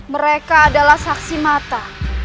mereka adalah saksi mata